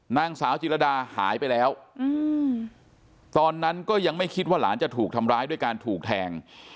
นางสาวจิรดาหายไปแล้วตอนนั้นก็ยังไม่คิดว่าหลานจะถูกทำร้ายด้วยการถูกแทง